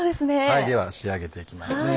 では仕上げていきます。